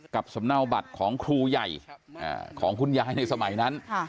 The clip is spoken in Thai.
สำเนาบัตรของครูใหญ่ของคุณยายในสมัยนั้น